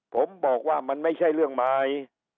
ผมบอกว่ามันไม่ใช่เรื่องใหม่